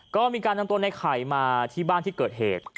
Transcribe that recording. ก็มีการนำตัวในไข่มาที่บ้านที่เกิดเหตุ